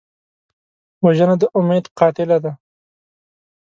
وژنه د امید قاتله ده